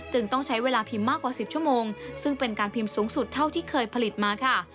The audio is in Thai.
ต้องใช้เวลาพิมพ์มากกว่า๑๐ชั่วโมงซึ่งเป็นการพิมพ์สูงสุดเท่าที่เคยผลิตมาค่ะ